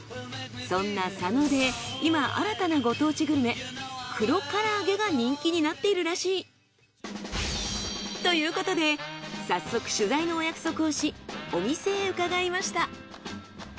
そんな佐野で今新たなご当地グルメ黒から揚げが人気になっているらしい。ということで早速取材のお約束をしお店へ伺いました。